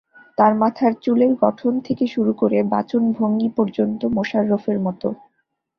তাঁর মাথার চুলের গঠন থেকে শুরু করে বাচনভঙ্গি পর্যন্ত মোশাররফের মতো।